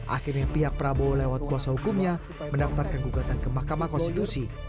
akhirnya pihak prabowo lewat kuasa hukumnya mendaftarkan gugatan ke mahkamah konstitusi